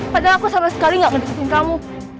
padahal aku sama sekali gak mendukung kamu